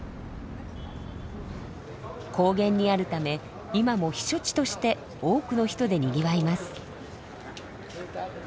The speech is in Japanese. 高原にあるため今も避暑地として多くの人でにぎわいます。